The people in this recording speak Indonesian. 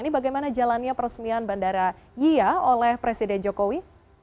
ini bagaimana jalannya peresmian bandara iya oleh presiden jokowi